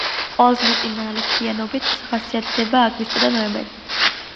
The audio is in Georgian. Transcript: ყველაზე მეტი ნალექიანობით ხასიათდება აგვისტო და ნოემბერი.